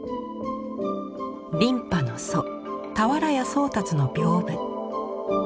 琳派の祖俵屋宗達の屏風。